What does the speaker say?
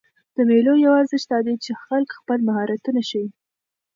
د مېلو یو ارزښت دا دئ، چې خلک خپل مهارتونه ښيي.